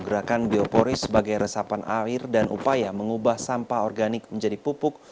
gerakan biopori sebagai resapan air dan upaya mengubah sampah organik menjadi pupuk